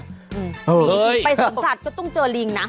มีจริงไปสวนสัตว์ก็ต้องเจอลิงนะ